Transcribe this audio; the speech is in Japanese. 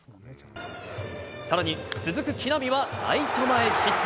さらに、続く木浪はライト前ヒット。